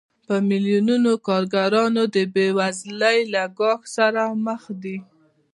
په میلیونونو کارګران د بېوزلۍ له ګواښ سره مخ دي